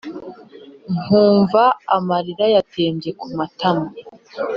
nkumva amarira yatembye kumatama